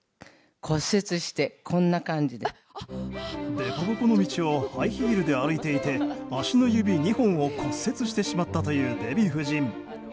でこぼこの道をハイヒールで歩いていて足の指２本を骨折してしまったというデヴィ夫人。